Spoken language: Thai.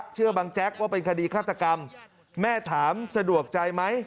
เชื่อบังแจ๊กว่าเป็นคดีฆาตกรรมแม่ถามสะดวกใจไหม